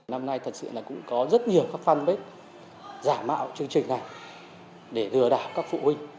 năm nay thật sự là cũng có rất nhiều các fanpage giả mạo chương trình này để lừa đảo các phụ huynh